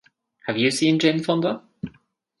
Have you seen Jane Fonda?